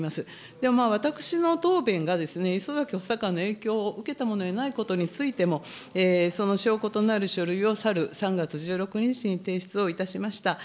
で、まあ私の答弁がですね、礒崎補佐官の影響を受けたものではないことについても、その証拠となる書類を去る３月１６日に提出をいたしました。